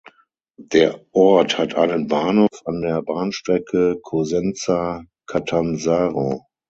Der Ort hat einen Bahnhof an der Bahnstrecke Cosenza–Catanzaro.